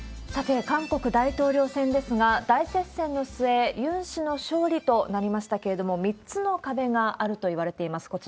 さて、韓国大統領選ですが、大接戦の末、ユン氏の勝利となりましたけれども、３つの壁があるといわれています。